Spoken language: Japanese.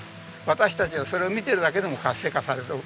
私たちはそれを見てるだけでも活性化される。